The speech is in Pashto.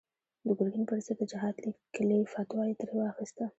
د ګرګين پر ضد د جهاد ليکلې فتوا يې ترې واخيسته.